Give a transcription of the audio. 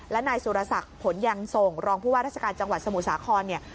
และนายสุรศักดิ์ผลยังส่งรองผู้ว่าราชการจังหวัดสมุทรสาครเนี่ย